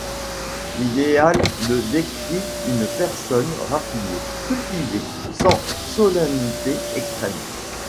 L'idéal de décrit une personne raffinée, cultivée, sans solennité extrême.